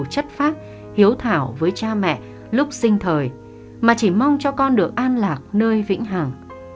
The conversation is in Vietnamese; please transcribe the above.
chất phác hiếu thảo với cha mẹ lúc sinh thời mà chỉ mong cho con được an lạc nơi vĩnh hằng